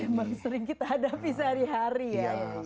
memang sering kita hadapi sehari hari ya